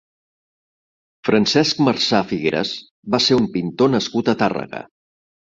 Francesc Marsà Figueras va ser un pintor nascut a Tàrrega.